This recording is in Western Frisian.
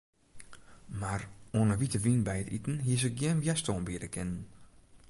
Mar oan 'e wite wyn by it iten hie se gjin wjerstân biede kinnen.